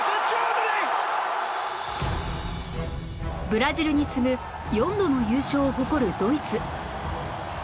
ブラジルに次ぐ４度の優勝を誇るドイツ